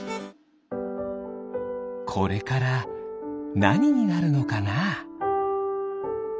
これからなにになるのかな。